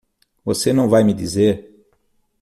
Você não vai me dizer?